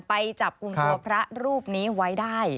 ไปจับกลุ่มตัวพระรูปนี้ไว้ได้